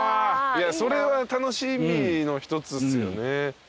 いやそれは楽しみの一つですよね。